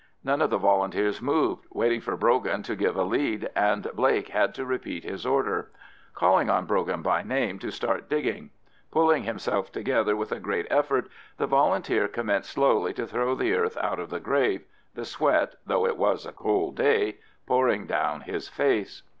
None of the Volunteers moved, waiting for Brogan to give a lead, and Blake had to repeat his order, calling on Brogan by name to start digging. Pulling himself together with a great effort, the Volunteer commenced slowly to throw the earth out of the grave, the sweat, though it was a cold day, pouring down his face.